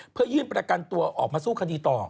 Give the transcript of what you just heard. เพื่อยื่นประกันตัวออกมาสู้คดีต่อ